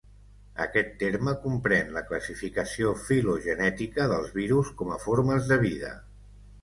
Aquest terme comprèn la classificació filogenètica dels virus com a formes de vida.